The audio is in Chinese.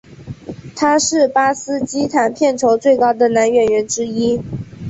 他是巴基斯坦片酬最高的男演员之一。